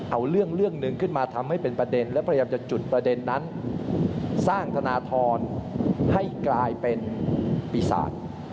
เอาเรื่องหนึ่งขึ้นมาทำให้เป็นประเด็นและพยายามจะจุดประเด็นนั้นสร้างธนทรให้กลายเป็นปีศาจ